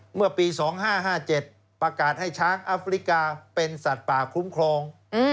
เมื่อปี๒๕๕๗ประกาศให้ช้างอัฟริกาเป็นสัตว์ป่าคุ้มครอง